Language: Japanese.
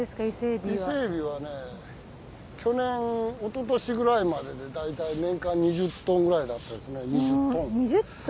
伊勢エビは去年おととしぐらいまでで大体年間２０ｔぐらいだった。